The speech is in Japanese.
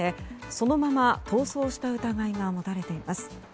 そのまま逃走した疑いが持たれています。